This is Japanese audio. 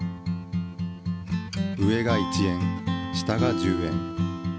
上が１円下が１０円。